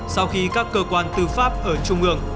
sau khi các cơ quan tư pháp ở trung ương